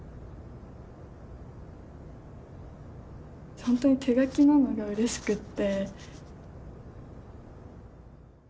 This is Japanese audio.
本当に手書きなのがうれしくって。